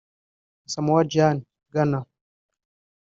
Asamoah Gyan (Ghana)